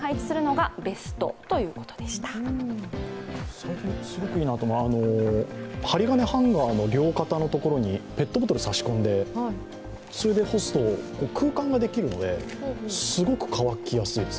最近、すごくいいなと思うのが針金ハンガーの両肩のところにペットボトルを差し込んで干すと空間ができるので、すごく乾きやすいです。